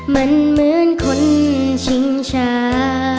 มันเหมือนคนชิงชา